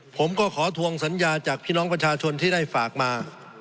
ผมก็ขอทวงสัญญาจากพี่น้องประชาชนที่ได้ฝากมา